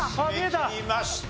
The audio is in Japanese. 締め切りました。